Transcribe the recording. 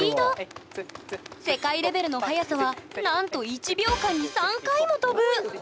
世界レベルの速さはなんと１秒間に３回も跳ぶ！